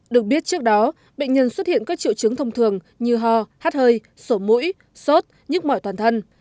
được biết trước đó bệnh nhân xuất hiện các triệu chứng thông thường như ho hát hơi sổ mũi sốt nhức mỏi toàn thân